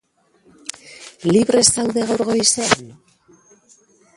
Libre zaude gaur goizean?